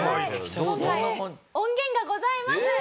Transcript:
今回音源がございます。